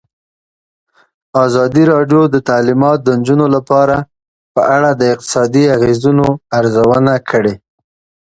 ازادي راډیو د تعلیمات د نجونو لپاره په اړه د اقتصادي اغېزو ارزونه کړې.